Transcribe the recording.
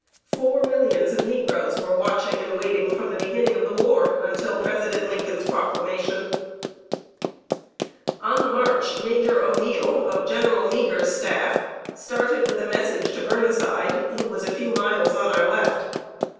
Four millions of negroes were watching and waiting from the beginning of the war until President Lincoln's Proclamation. On the march, Major O'Neil, of General Meagher's staff, started with a message to Burnside, who was a few miles on our left.